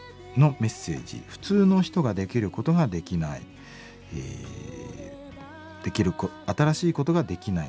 「普通の人ができることができない。新しいことができない。